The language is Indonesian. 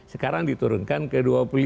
sekarang diturunkan ke dua puluh lima